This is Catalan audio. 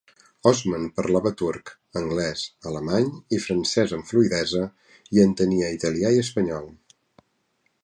Osman parlava turc, anglès, alemany i francès amb fluïdesa i entenia italià i espanyol.